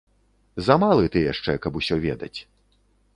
Замалы ты яшчэ, каб усё ведаць.